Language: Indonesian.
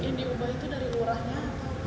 yang diubah itu dari lurahnya